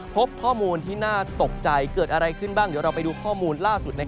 พบข้อมูลที่น่าตกใจเกิดอะไรขึ้นบ้างเดี๋ยวเราไปดูข้อมูลล่าสุด